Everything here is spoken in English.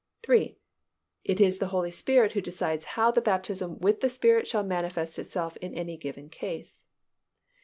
3. _It is the Holy Spirit who decides how the baptism with the Spirit shall manifest itself in any given case.